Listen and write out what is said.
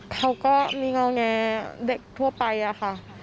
เขาก็มีเงาแงเด็กทั่วไปอะค่ะ